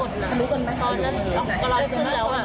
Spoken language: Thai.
พอกัดลูกเหลือ